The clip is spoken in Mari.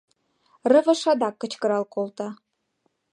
Рывыж адак кычкырал колта: